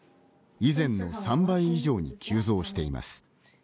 以前の３倍以上に急増しています。